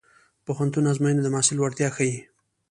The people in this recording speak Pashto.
د پوهنتون ازموینې د محصل وړتیا ښيي.